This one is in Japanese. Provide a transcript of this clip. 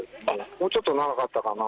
もうちょっと長かったかな。